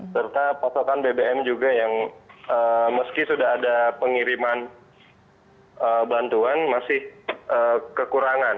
serta pasokan bbm juga yang meski sudah ada pengiriman bantuan masih kekurangan